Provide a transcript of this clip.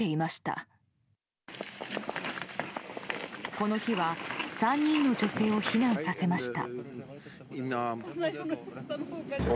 この日は３人の女性を避難させました。